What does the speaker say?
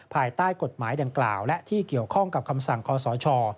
ภายใต้กฎหมายดังกล่าวและที่เกี่ยวข้องกับคำสั่งคอสช